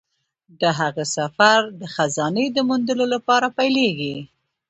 د هغه سفر د خزانې د موندلو لپاره پیلیږي.